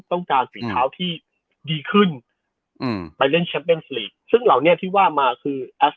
ต้องการสีเท้าที่ดีขึ้นอืมไปเล่นซึ่งเหล่านี้ที่ว่ามาคือ